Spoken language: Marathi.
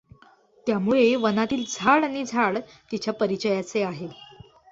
त्यामुळे वनातील झाड आणि झाड तिच्या परिचयाचे आहे.